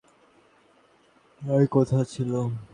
তাই কথা ছিল।